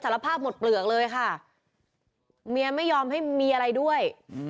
ภาพหมดเปลือกเลยค่ะเมียไม่ยอมให้มีอะไรด้วย